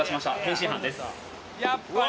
やっぱり！